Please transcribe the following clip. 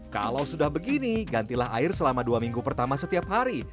kalau sudah begini gantilah air selama dua minggu pertama setiap hari